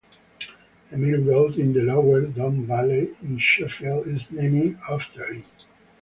A main road in the Lower Don Valley in Sheffield is named after him.